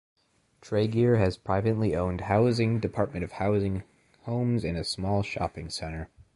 Tregear has privately owned housing, Department of Housing homes and a small shopping centre.